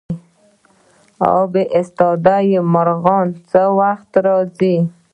اب ایستاده مرغان څه وخت راځي؟